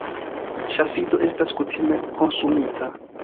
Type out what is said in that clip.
Ŝafido estas kutime konsumita.